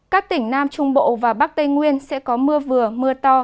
các tỉnh nam trung bộ và bắc tây nguyên sẽ có mưa vừa mưa to